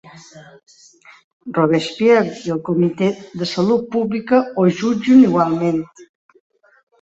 Robespierre i el Comitè de salut pública ho jutgen igualment.